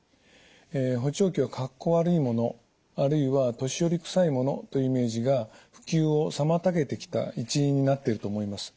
補聴器をかっこ悪いものあるいは年寄りくさいものというイメージが普及を妨げてきた一因になっていると思います。